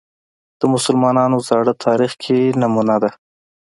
د مسلمانانو زاړه تاریخ کې نمونه ده